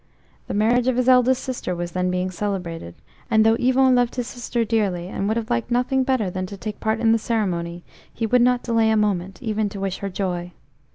The marriage of his eldest sister was then being celebrated, and though Yvon loved his sister dearly, and would have liked nothing better than to take part in the ceremony, he would not delay a moment, even to wish her joy.